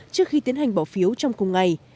trước khi tiến hành bỏ phiếu trong cùng ngày